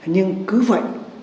nhưng cứ vậy